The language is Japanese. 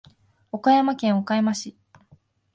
岡山県岡山市